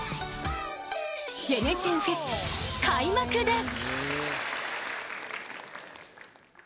［『ジェネチェンＦＥＳ』開幕です］